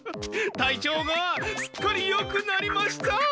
体調がすっかりよくなりました！